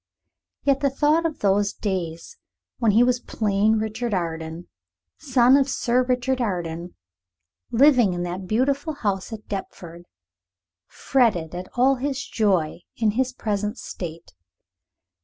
Yet the thought of those days when he was plain Richard Arden, son of Sir Richard Arden, living in the beautiful house at Deptford, fretted at all his joy in his present state.